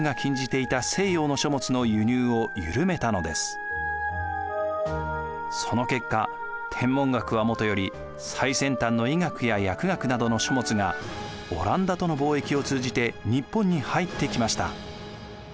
吉宗はその結果天文学はもとより最先端の医学や薬学などの書物がオランダとの貿易を通じて日本に入ってきました。